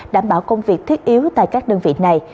đảm bảo công việc thiết yếu tại các đơn vị này